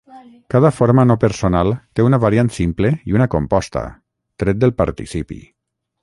Cada forma no personal té una variant simple i una composta, tret del participi.